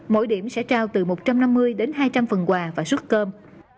mỗi điểm sẽ trao từ một trăm năm mươi đến hai trăm linh phần quà và xuất cơm